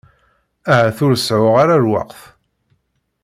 Ahat ur seεεuɣ ara lweqt.